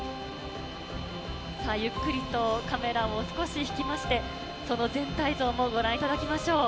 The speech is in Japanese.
ゆっくりとカメラを少し引きまして、その全体像もご覧いただきましょう。